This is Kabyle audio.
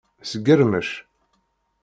Sgermec.